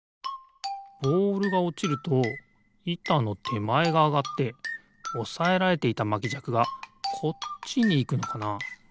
ボールがおちるといたのてまえがあがっておさえられていたまきじゃくがこっちにいくのかな？